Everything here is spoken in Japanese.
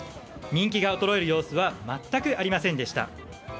人気が衰える様子は全くありませんでした。